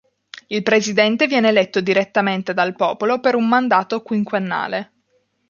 Il presidente viene eletto direttamente dal popolo per un mandato quinquennale.